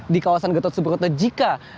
di kawasan gatot subroto jika